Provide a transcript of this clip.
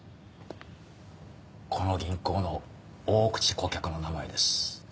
この銀行の大口顧客の名前です。